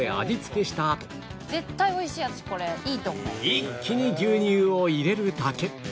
一気に牛乳を入れるだけ